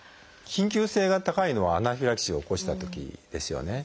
緊急性が高いのはアナフィラキシーを起こしたときですよね。